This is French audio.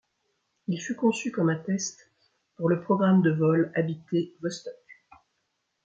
Il fut conçu comme un test pour le programme de vols habités Vostok.